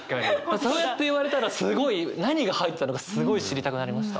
そうやって言われたらすごい何が入ってたのかすごい知りたくなりました。